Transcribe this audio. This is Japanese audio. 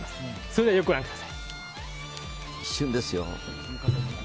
それではよくご覧ください。